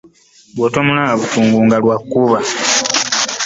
Bw'otomulaba bugungu nga lw'akuba .